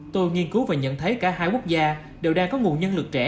tôi nghiên cứu và nhận thấy cả hai quốc gia đều đang có nguồn nhân lực trẻ